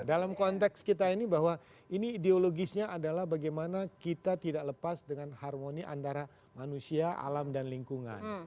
dalam konteks kita ini bahwa ini ideologisnya adalah bagaimana kita tidak lepas dengan harmoni antara manusia alam dan lingkungan